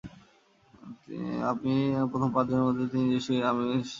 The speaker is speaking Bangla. আপনি প্রথম পাঁচ জনের মধ্যে তিন জন এশিয়-আমেরিকান হিসাবে ছিলেন।